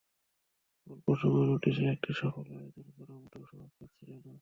অল্প সময়ের নোটিশে একটি সফল আয়োজন করা মোটেও সহজ কাজ ছিল না।